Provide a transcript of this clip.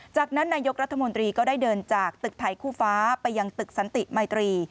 จากนั้นนายกรัฐมนตรีก็ได้เดินจากตึกไทยคู่ฟ้าไปยังตึกสันติมัยตรี